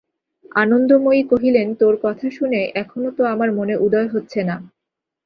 আনন্দময়ী কহিলেন, তোর কথা শুনে এখনো তো আমার মনে উদয় হচ্ছে না।